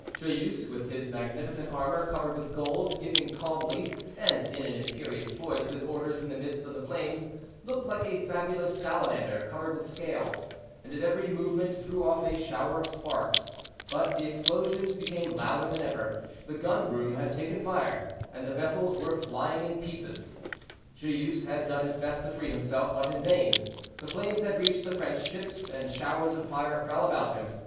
Joyeuse, with his magnificent armor covered with gold, giving calmly, and in an imperious voice, his orders in the midst of the flames, looked like a fabulous salamander covered with scales, and at every movement threw off a shower of sparks. But the explosions became louder than ever; the gun room had taken fire, and the vessels were flying in pieces. Joyeuse had done his best to free himself, but in vain; the flames had reached the French ships, and showers of fire fell about him.